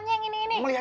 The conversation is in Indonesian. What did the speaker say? gak ada melihat melihat